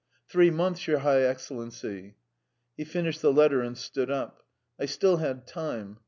"Three months, your High Excellency." He finished the letter and stood up. I still had time.